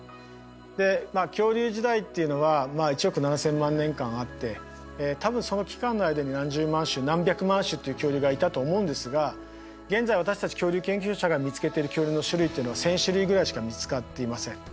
でまあ恐竜時代っていうのは１億７，０００万年間あって多分その期間の間に何十万種何百万種っていう恐竜がいたと思うんですが現在私たち恐竜研究者が見つけている恐竜の種類っていうのは１，０００種類ぐらいしか見つかっていません。